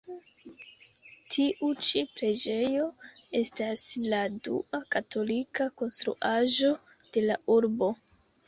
Tiu ĉi preĝejo estas la dua katolika konstruaĵo de la urbo.